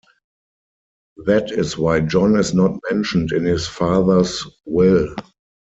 That is why John is not mentioned in his father's will.